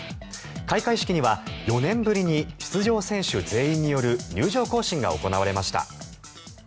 開会式には４年ぶりに出場選手全員による入場行進が行われました。